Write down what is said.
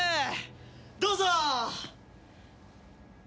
どうぞ！